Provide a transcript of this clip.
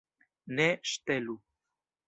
Ne ŝtelu.